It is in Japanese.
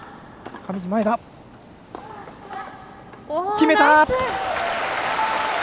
決めた！